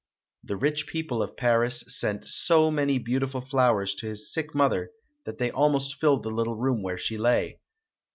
The rich people of Paris sent so many beautiful flowers to his sick mother that they almost filled the little room where she lay.